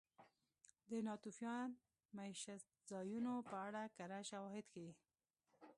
د ناتوفیان مېشتځایونو په اړه کره شواهد ښيي.